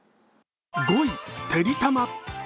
５位、「てりたま」。